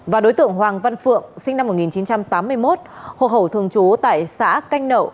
và đối tượng hoàng văn phượng sinh năm một nghìn chín trăm tám mươi một hộ khẩu thường trú tại xã canh nậu